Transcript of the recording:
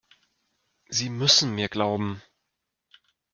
Sie müssen mir glauben!